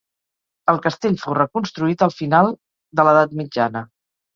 El castell fou reconstruït al final de l'edat mitjana.